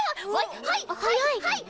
はいはいはい！